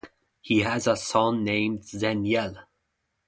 He has a son named Zenyel.